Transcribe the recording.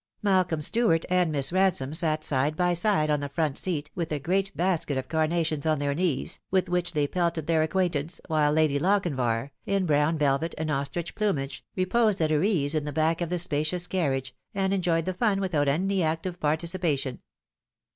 Malcolm Stuart and Miss Ransome sat side by side on the front seat with a great basket of carnations on their knees, with which they pelted their acquaintance, while Lady Lochinvar, in brown velvet and ostrich plumage, reposed at her ease in the back of the spacious carriage, and enjoyed the fun without any active participation.